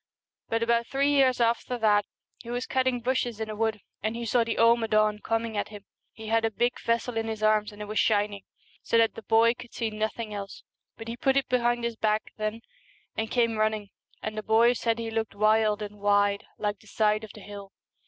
But about three years after that he was cutting bushes in a wood and he saw the Ama ddn coming at him. He had a big vessel in his arms, and it was shining, so that the boy could see nothing else ; but he put it behind his back then and came running, and the boy said he looked wild and wide, like the side of the hill.